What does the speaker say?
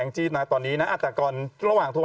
มีหลายคนถามร้องแองจิด้วยนะคะหลายวันแล้ว